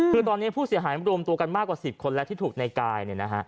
คือตอนนี้ผู้เสียหายรวมตัวกันมากกว่า๑๐คนแล้วที่ถูกในกาย